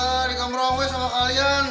aduh di kamar awal sama kalian